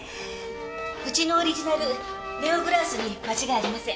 うちのオリジナルネオ・グラースに間違いありません。